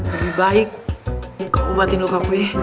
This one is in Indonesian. lebih baik kau ubatin lukaku ya